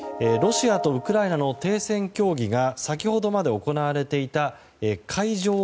ロシアとウクライナの停戦協議が先ほどまで行われていた会場